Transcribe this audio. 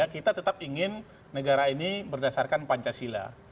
kita tetap ingin negara ini berdasarkan pancasila